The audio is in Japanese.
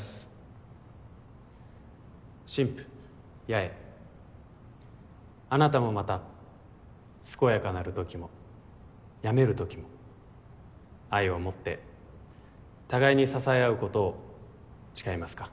・新婦八重あなたもまた健やかなるときも病めるときも愛をもって互いに支え合うことを誓いますか？